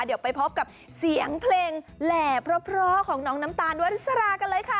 เดี๋ยวไปพบกับเสียงเพลงแหล่เพราะของน้องน้ำตาลวริสรากันเลยค่ะ